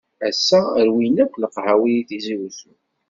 Ass-a, rwin akk leqhawi di Tizi Wezzu.